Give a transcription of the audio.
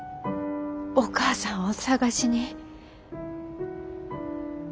お母さんを捜しに。